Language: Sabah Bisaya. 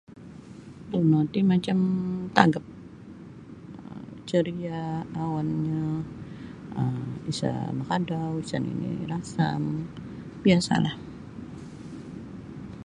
Douno ti macam tagap um ceria awannyo um isa makadau isa nini rasam biasalah.